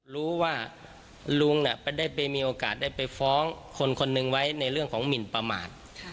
รู้ว่าลุงได้ไปมีโอกาสได้ไปฟ้องคนคนหนึ่งไว้ในเรื่องของหมินประมาท